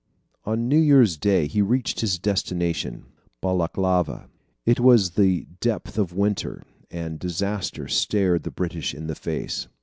On New Year's Day he reached his destination, Balaklava. It was the depth of winter, and disaster stared the British in the face.